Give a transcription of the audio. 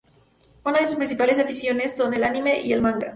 Unas de sus principales aficiones son El Anime y El Manga.